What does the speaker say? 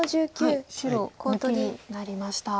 白抜きになりました。